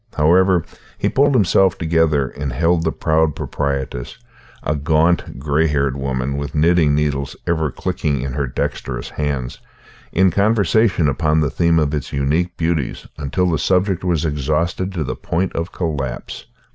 However, he pulled himself together and held the proud proprietress, a gaunt, grey haired woman with knitting needles ever clicking in her dexterous hands, in conversation upon the theme of its unique beauties until the subject was exhausted to the point of collapse.